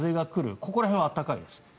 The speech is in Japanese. ここら辺は暖かいです。